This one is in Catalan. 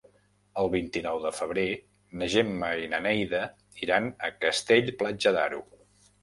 El vint-i-nou de febrer na Gemma i na Neida iran a Castell-Platja d'Aro.